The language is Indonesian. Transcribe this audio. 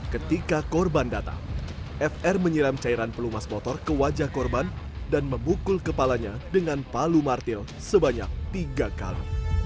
ketika korban datang fr menyiram cairan pelumas motor ke wajah korban dan memukul kepalanya dengan palu martil sebanyak tiga kali